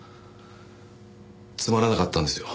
つまらなかったんですよ